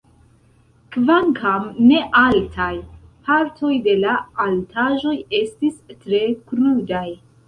Kvankam ne altaj, partoj de la altaĵoj estis tre krudaj.